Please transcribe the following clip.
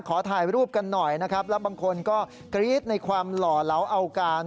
ขอถ่ายรูปกันหน่อยนะครับแล้วบางคนก็กรี๊ดในความหล่อเหลาเอาการ